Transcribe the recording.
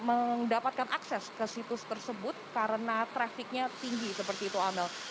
ada kesulitan mendapatkan akses ke situs tersebut karena trafiknya tinggi seperti itu amel